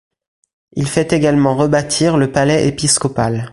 Il fait également rebâtir le palais épiscopal.